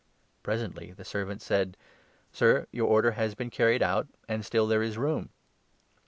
Presently the servant said ' Sir, your order has been 22 carried out, and still there is room.'